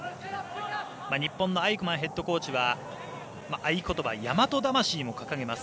日本のアイクマンヘッドコーチは合言葉、大和魂も掲げます。